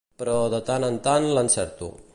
Però de tant en tant l'encerto.